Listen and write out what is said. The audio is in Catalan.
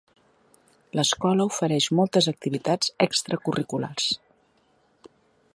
L'escola ofereix moltes activitats extracurriculars.